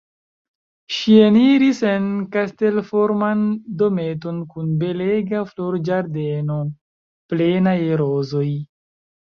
Ŝi eniris en kastelforman dometon kun belega florĝardeno plena je rozoj.